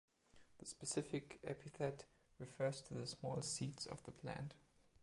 The specific epithet refers to the small seeds of the plant.